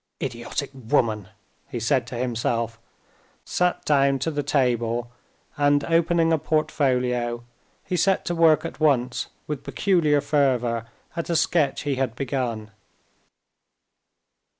"Idiotic woman!" he said to himself, sat down to the table, and, opening a portfolio, he set to work at once with peculiar fervor at a sketch he had begun.